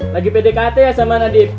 lagi pdkt ya sama nadiem